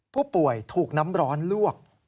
ผู้ป่วยถูกน้ำร้อนลวก